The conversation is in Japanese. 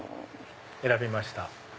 選びました。